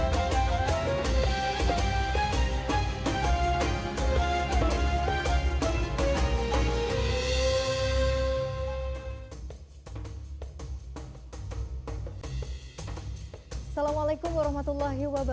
assalamualaikum wr wb